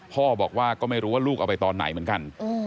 พ่อบอกว่าก็ไม่รู้ว่าลูกเอาไปตอนไหนเหมือนกัน